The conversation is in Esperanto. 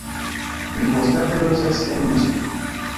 Li konstante loĝas en Moskvo.